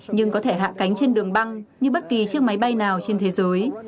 nhưng có thể hạ cánh trên đường băng như bất kỳ chiếc máy bay nào trên thế giới